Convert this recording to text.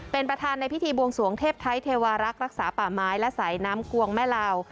เป็นประธานในพิธีบวงสวงเทพไทยเทวารักษ์รักษาป่าไม้และสายน้ำกวงแม่ลาว